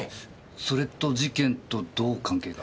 それと事件とどう関係が？